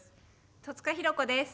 戸塚寛子です。